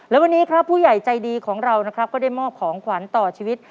และวันนี้ครับผู้ใหญ่ใจดีของเรานะครับก็ได้มอบของขวัญต่อชีวิต